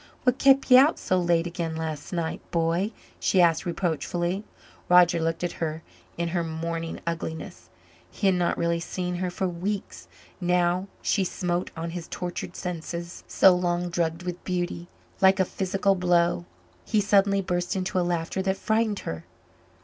"What kept ye out so late again last night, b'y?" she said reproachfully. Roger looked at her in her morning ugliness. He had not really seen her for weeks. Now she smote on his tortured senses, so long drugged with beauty, like a physical blow. He suddenly burst into a laughter that frightened her.